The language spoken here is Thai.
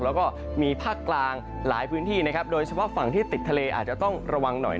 แล้วก็มีภาคกลางหลายพื้นที่นะครับโดยเฉพาะฝั่งที่ติดทะเลอาจจะต้องระวังหน่อย